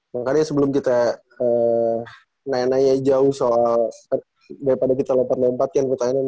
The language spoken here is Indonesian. makanya sebelum kita nanya nanya jauh soal daripada kita lompat lompat kan pertanyaannya